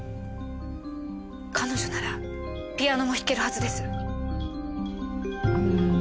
彼女ならピアノも弾けるはずです。